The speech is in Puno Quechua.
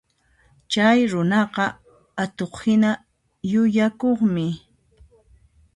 Chay runaqa atuqhina yukakuqmi